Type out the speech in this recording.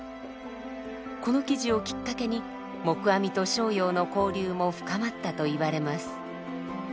この記事をきっかけに黙阿弥と逍遙の交流も深まったといわれます。